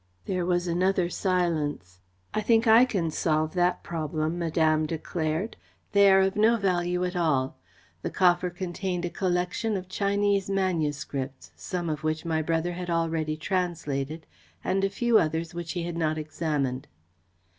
There was another silence. "I think I can solve that problem," Madame declared. "They are of no value at all. The coffer contained a collection of Chinese manuscripts, some of which my brother had already translated, and a few others which he had not examined."